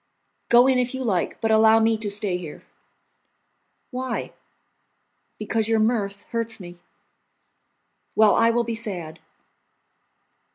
"Go in, if you like, but allow me to stay here." "Why?" "Because your mirth hurts me." "Well, I will be sad."